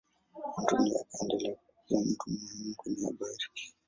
Anthony akaendelea kuwa mtu muhimu kwenye habari.